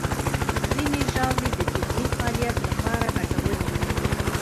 ځینې ژاولې د ذهني فعالیت لپاره ګټورې دي.